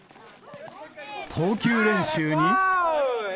投球練習に。